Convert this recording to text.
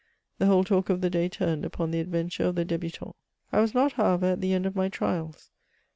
The whole talk of the day turned upon the adrenture of the dibuttuU. I was not, kowever, at the end of my trials.